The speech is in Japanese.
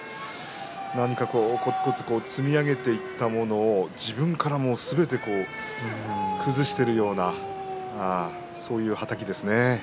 何かこつこつ積み上げていったものを自分からすべて崩しているようなそういうはたきですね。